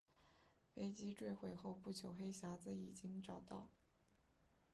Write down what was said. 飞机坠毁后不久黑匣子已经找到。